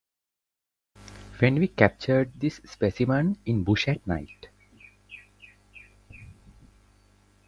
Fenwick captured this specimen in bush at night.